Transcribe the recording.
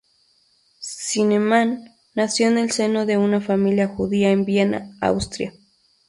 Zinnemann nació en el seno de una familia judía en Viena, Austria.